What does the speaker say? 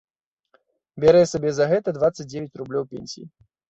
Бярэ сабе за гэта дваццаць дзевяць рублёў пенсіі.